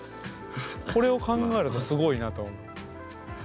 これを考えるとすごいなと思う。